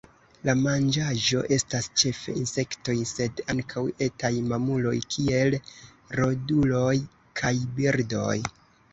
La manĝaĵo estas ĉefe insektoj, sed ankaŭ etaj mamuloj, kiel roduloj kaj birdoj.